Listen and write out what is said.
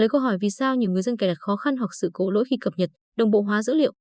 câu hỏi vì sao nhiều người dân kẻ đặt khó khăn hoặc sự cố lỗi khi cập nhật đồng bộ hóa dữ liệu